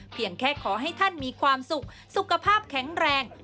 เพียงแค่ขอให้ท่านมีความสุขสุขภาพแข็งแรง